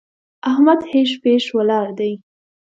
احمد هېښ پېښ ولاړ دی!